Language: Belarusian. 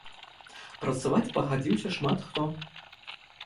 Працаваць пагадзіўся шмат хто.